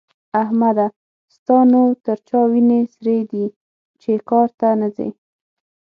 احمده! ستا نو تر چا وينې سرې دي چې کار ته نه ځې؟